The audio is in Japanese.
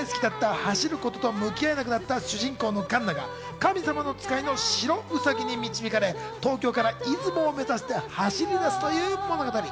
走ることと向き合えなくなった主人公のカンナが神様の使いの白うさぎに導かれ、東京から出雲を目指して走り出すという物語。